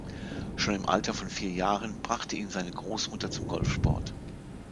Schon im Alter von vier Jahren brachte ihn seine Großmutter zum Golfsport.